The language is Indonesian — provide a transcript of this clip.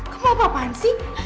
kamu apaan sih